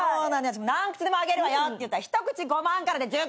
何口でもあげるわよって言ったら１口５万からで１０口買ってって。